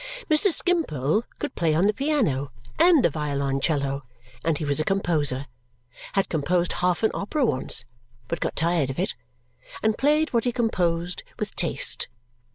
Mr. Skimpole could play on the piano and the violoncello, and he was a composer had composed half an opera once, but got tired of it and played what he composed with taste.